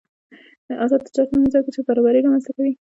آزاد تجارت مهم دی ځکه چې برابري رامنځته کوي.